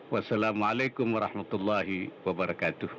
wassalamu'alaikum warahmatullahi wabarakatuh